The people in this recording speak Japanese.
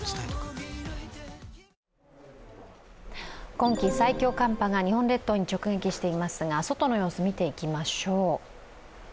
今季最強寒波が日本列島に直撃していますが、外の様子、見ていきましょう。